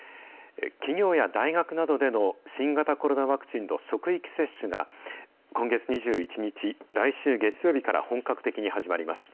企業や大学などでの新型コロナワクチンの職域接種が、今月２１日、来週月曜日から本格的に始まります。